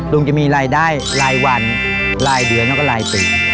ลุงจะมีรายได้รายวันรายเดือนแล้วก็รายปี